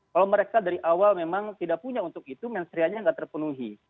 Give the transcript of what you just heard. kalau mereka dari awal memang tidak punya untuk itu mensrianya tidak terpenuhi